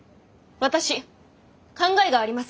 私考えがあります。